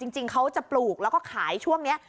จริงเขาจะปลูกแล้วก็ขายช่วงนี้